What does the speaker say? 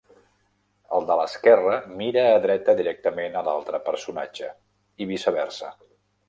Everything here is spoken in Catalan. El de l'esquerra mira a dreta directament a l'altre personatge i viceversa.